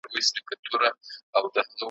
وئيل يې بس تسنيمه ! خوشبويۍ ترې راخوريږي `